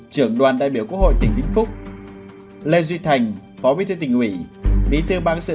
trưởng đoàn đại biểu quốc hội tỉnh vĩnh phúc lê duy thành phó bí thư tỉnh ủy bí thư ban sự